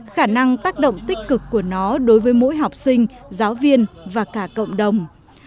khả năng tác động tích cực của nó đối với mỗi học sinh giáo viên và cả cộng đồng